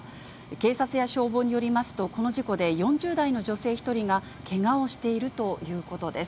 警察や消防によりますと、この事故で４０代の女性１人がけがをしているということです。